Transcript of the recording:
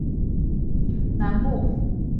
迈阿密都会区位于佛罗里达州南部。